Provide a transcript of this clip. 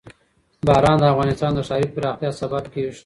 باران د افغانستان د ښاري پراختیا سبب کېږي.